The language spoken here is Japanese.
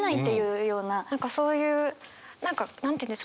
何かそういう何か何て言うんですかね？